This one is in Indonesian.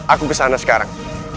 aku kesana sekarang